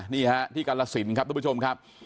นี่ฮะที่กรสินครับทุกผู้ชมครับ